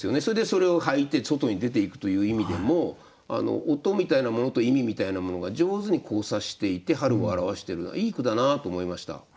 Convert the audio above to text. それでそれを履いて外に出ていくという意味でも音みたいなものと意味みたいなものが上手に交差していて春を表してるないい句だなあと思いました。